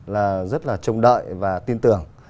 là rất là trông đợi và tin tưởng